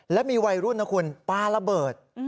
แล้วมีวัยรุ่นนะคุณปลาระเบิด